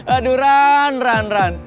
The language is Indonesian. aduh ran ran ran